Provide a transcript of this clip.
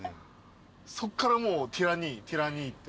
そっからもうティラ兄ティラ兄って。